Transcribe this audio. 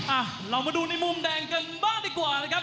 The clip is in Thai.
อ่ะเรามาดูในมุมแดงกันบ้างดีกว่านะครับ